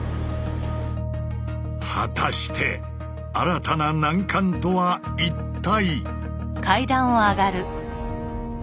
果たして新たな難関とは一体？